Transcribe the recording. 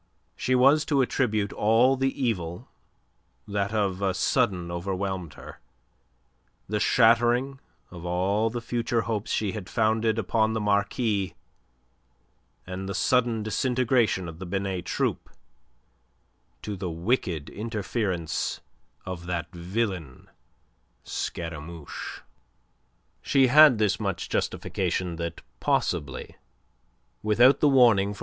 She was to attribute all the evil that of a sudden overwhelmed her, the shattering of all the future hopes she had founded upon the Marquis and the sudden disintegration of the Binet Troupe, to the wicked interference of that villain Scaramouche. She had this much justification that possibly, without the warning from M.